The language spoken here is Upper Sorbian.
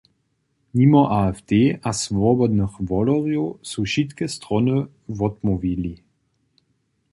Nimo AfD a Swobodnych wolerjow su wšitke strony wotmołwili.